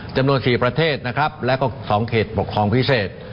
จำนวน๔ประเทศและ๒เขตปกครองพิเศษ